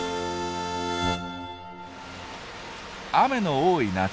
雨の多い夏。